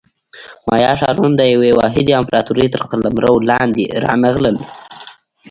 مایا ښارونه د یوې واحدې امپراتورۍ تر قلمرو لاندې رانغلل.